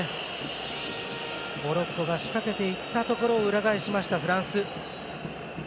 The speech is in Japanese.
モロッコが仕掛けていったところを裏返しました、フランス。